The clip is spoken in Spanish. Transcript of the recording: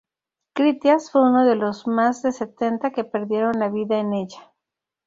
Critias fue uno de los más de setenta que perdieron la vida en ella.